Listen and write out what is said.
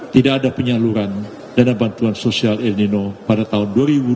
tidak ada penyaluran dana bantuan sosial el nino pada tahun dua ribu dua puluh